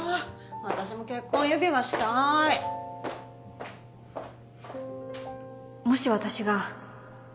私も結婚指輪したいもし私が